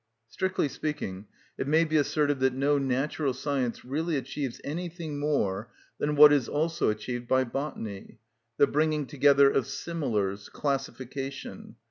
Strictly speaking, it may be asserted that no natural science really achieves anything more than what is also achieved by Botany: the bringing together of similars, classification.